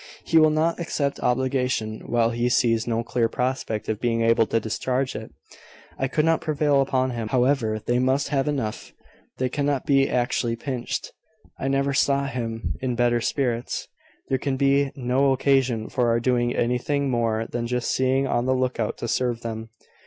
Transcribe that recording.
He will not accept obligation, while he sees no clear prospect of being able to discharge it. I could not prevail upon him. However, they must have enough: they cannot be actually pinched. I never saw him in better spirits. There can be no occasion for our doing anything more than just being on the look out to serve them."